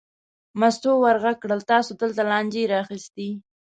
مستو ور غږ کړل: تاسې دلته لانجې را اخیستې.